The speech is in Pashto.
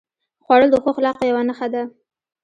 خوړل د ښو اخلاقو یوه نښه ده